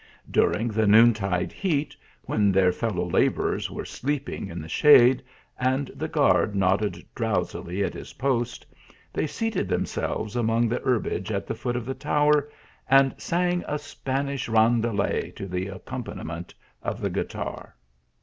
During the noon tide heat when their fellow labourers were sleeping in the shade, and the guard nodded drowsily at his post, they seated themselves among the herbage at the foot of the tower, and sang a Spanish roundelay to the accompaniment of the guitar.